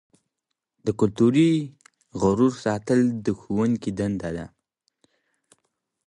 د کلتوري غرور ساتل د ښوونکي دنده ده.